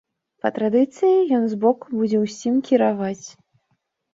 Па традыцыі ён з боку будзе ўсім кіраваць.